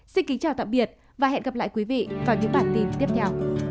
xin kính chào tạm biệt và hẹn gặp lại quý vị vào những bản tin tiếp theo